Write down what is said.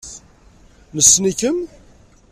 Nessen-ikem?